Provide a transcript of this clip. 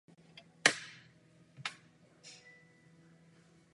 Východně a jihovýchodně od Jílového u Prahy se na březích potoka rozprostírají chatové osady.